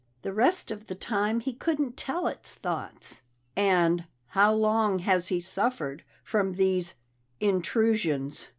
The rest of the time he couldn't tell its thoughts." "And how long has he suffered from these intrusions?"